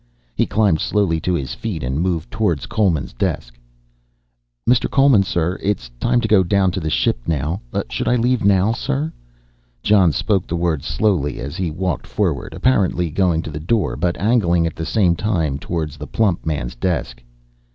He climbed slowly to his feet and moved towards Coleman's desk. "Mr. Coleman, sir, it's time to go down to the ship now, should I leave now, sir?" Jon spoke the words slowly as he walked forward, apparently going to the door, but angling at the same time towards the plump man's desk.